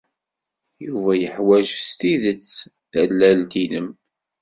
Yuba yeḥwaj s tidet tallalt-nnem.